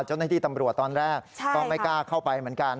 เจ้าหน้าที่ตำรวจตอนแรกก็ไม่กล้าเข้าไปเหมือนกัน